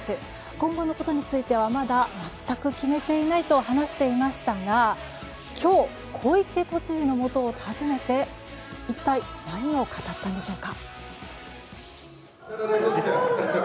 今後のことについてはまだ全く決めていないと話していましたが今日、小池都知事のもとを訪ねて一体何を語ったんでしょうか。